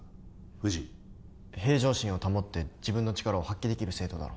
藤井平常心を保って自分の力を発揮できる生徒だろ？